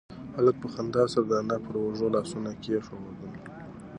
هلک په خندا سره د انا پر اوږو لاسونه کېښودل.